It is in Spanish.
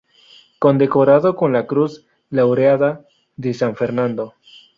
Condecorado con la Cruz Laureada de San Fernando.